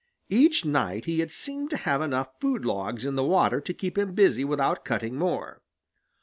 Each night he had seemed to have enough food logs in the water to keep him busy without cutting more.